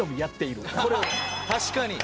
確かに。